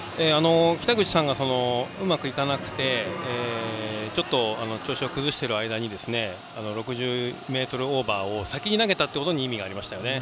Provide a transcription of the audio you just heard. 北口さんがうまくいかなくてちょっと調子を崩している間に６０ｍオーバーを先に投げたことに意味がありましたよね。